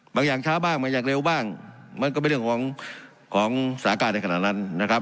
อย่างช้าบ้างบางอย่างเร็วบ้างมันก็เป็นเรื่องของของสถานการณ์ในขณะนั้นนะครับ